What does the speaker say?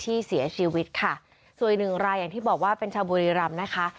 เสียชีวิตค่ะส่วนอีกหนึ่งรายอย่างที่บอกว่าเป็นชาวบุรีรำนะคะ